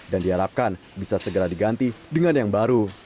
dan diharapkan bisa segera diganti dengan yang baru